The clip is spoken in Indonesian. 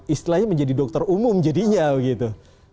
istilahnya menjadi dokter umum jadinya begitu